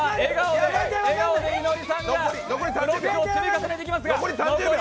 笑顔でいのりさんがブロックを積み重ねていきますが残り